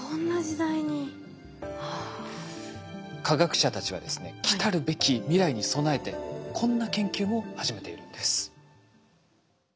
科学者たちはですねきたるべき未来に備えてこんな研究も始めているんです。